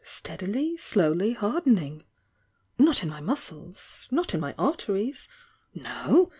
Stead ily, slowly hardening! Not in my muscles— not in my arteries — no!